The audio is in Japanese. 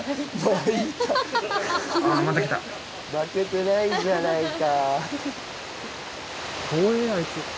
まけてないじゃないか。